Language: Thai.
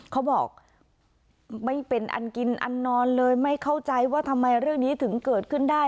เขาบอกไม่เป็นอันกินอันนอนเลยไม่เข้าใจว่าทำไมเรื่องนี้ถึงเกิดขึ้นได้